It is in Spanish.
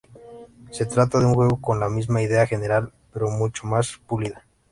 Se trata de un juego con la misma idea general, pero mucho más pulida.